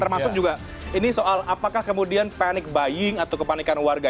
termasuk juga ini soal apakah kemudian panic buying atau kepanikan warga